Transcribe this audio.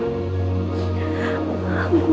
mulai sekarang aku gak akan melarang kamu